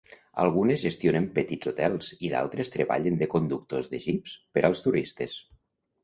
Algunes gestionen petits hotels i d'altres treballen de conductors de jeeps per als turistes.